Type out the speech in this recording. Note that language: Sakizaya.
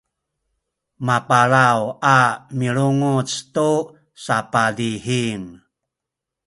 mapalaw a milunguc tu sapadihing